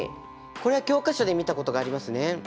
これは教科書で見たことがありますね。